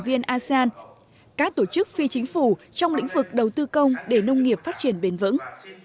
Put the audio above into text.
viên asean các tổ chức phi chính phủ trong lĩnh vực đầu tư công để nông nghiệp phát triển bền vững